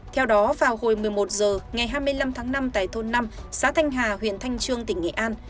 theo đó vào hồi một mươi một h ngày hai mươi năm tháng năm tại thôn năm xã thanh hà huyện thanh trương tỉnh nghệ an